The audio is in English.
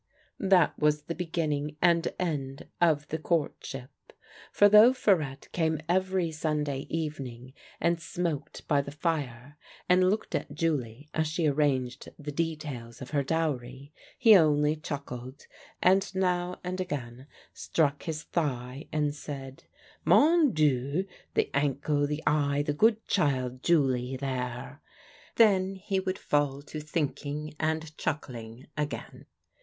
" That was the beginning and end of the courtship. For though Farette came every Sunday evening and smoked by the fire, and looked at Julie as she arranged the details of her dowry, he only chuckled, and now and again struck his thigh and said :" Mon Dieu, the ankle, the eye, the good child, Julie, there !" Then he would fall to thinking and chuckling again.